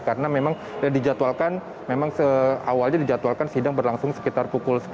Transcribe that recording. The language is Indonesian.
karena memang dijatuhkan memang awalnya dijatuhkan sidang berlangsung sekitar pukul sepuluh